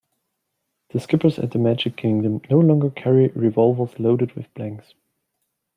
The skippers at the Magic Kingdom no longer carry revolvers loaded with blanks.